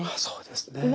そうですね。